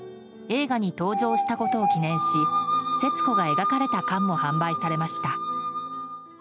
映画に登場したことを記念し節子が描かれた缶も販売されました。